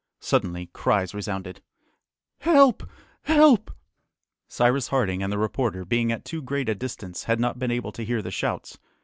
Suddenly cries resounded, "Help! help!" Cyrus Harding and the reporter, being at too great a distance, had not been able to hear the shouts.